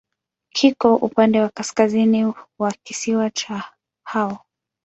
Kiko upande wa kaskazini wa kisiwa cha Hao.